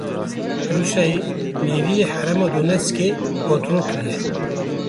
Rûsyayê nêviyê herêma Donetskê kontrol kiriye.